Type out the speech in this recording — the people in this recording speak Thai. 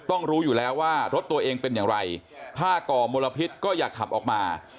รู้อยู่แล้วว่ารถตัวเองเป็นอย่างไรถ้าก่อมลพิษก็อย่าขับออกมา